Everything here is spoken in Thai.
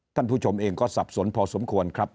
ท่านผู้ชมเองก็สับสนพอสมควรครับ